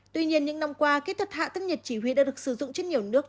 tuy nhiên những năm qua kỹ thuật hạ tức nhiệt chỉ huy đã được sử dụng trên nhiều nước